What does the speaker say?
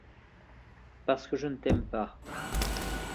Parce que je ne t’aime pas.